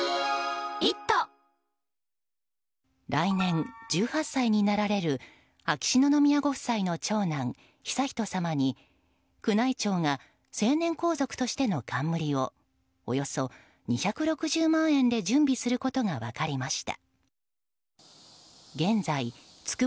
来年、１８歳になられる秋篠宮ご夫妻の長男・悠仁さまに宮内庁が成年皇族としての冠をおよそ２６０万円で準備することが分かりました。